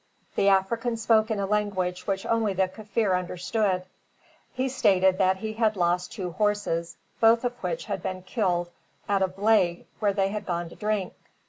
The African spoke in a language which only the Kaffir understood. He stated that he had lost two horses, both of which had been killed at a vley where they had gone to drink.